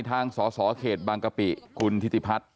ทางสสเขตบางกะปิคุณธิติพัฒน์